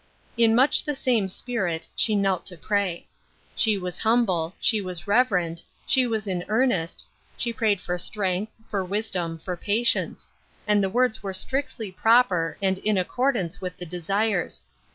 In nuoh the same spirit, she knelt to pray. She was humble, she was reverent, she was in earnest , she prayed for strength, for wisdom, for patience ; and the words were strictly proper, and in accordance with the desires.